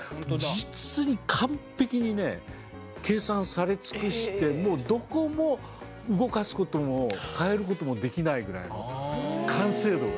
実に完璧にね計算され尽くしてもうどこも動かすことも変えることもできないぐらいの完成度が。